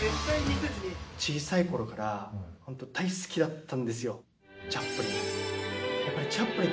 小さいころから、本当大好きだったんですよ、チャップリン。